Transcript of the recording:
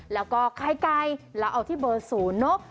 แล้วก็ไข่ไก่แล้วเอาที่เบอร์ศูนย์เนอะ